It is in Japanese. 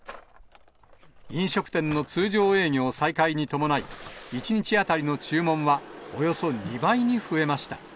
飲食店の通常営業再開に伴い、１日当たりの注文はおよそ２倍に増えました。